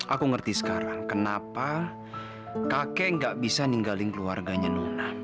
aku ngerti sekarang kenapa kakek gak bisa ninggalin keluarganya nur